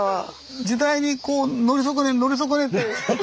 時代にこう乗り損ね乗り損ねて。